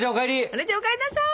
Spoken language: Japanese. お姉ちゃんお帰んなさい！